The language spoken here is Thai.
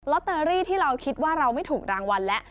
ตเตอรี่ที่เราคิดว่าเราไม่ถูกรางวัลแล้ว